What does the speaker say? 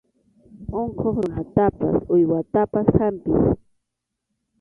Unquq runatapas uywatapas hampiy.